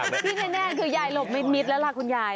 อันนี้แน่คือยายหลบไม่มิ้ดแล้วคุณยาย